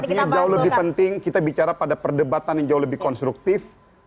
artinya jauh lebih penting kita bicara pada perdebatan yang jauh lebih konstruktif